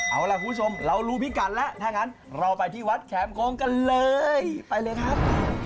เอาล่ะคุณผู้ชมเรารู้พิกัดแล้วถ้างั้นเราไปที่วัดแขมโค้งกันเลยไปเลยครับ